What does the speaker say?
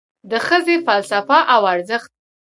د ښځې فلسفه او ارزښت